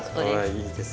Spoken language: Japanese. いいですね。